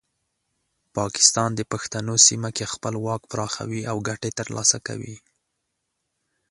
پاکستان د پښتنو سیمه کې خپل واک پراخوي او ګټې ترلاسه کوي.